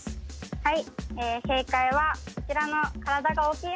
はい。